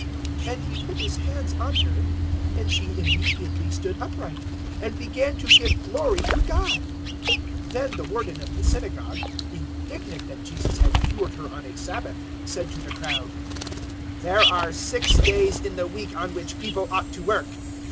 013:013 And He put His hands on her, and she immediately stood upright and began to give glory to God. 013:014 Then the Warden of the Synagogue, indignant that Jesus had cured her on a Sabbath, said to the crowd, "There are six days in the week on which people ought to work.